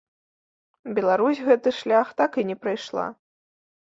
Беларусь гэты шлях так і не прайшла.